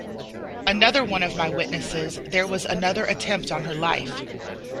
Another one of my witnesses, there was another attempt on her life.